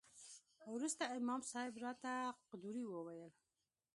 وروسته امام صاحب راته قدوري وويل.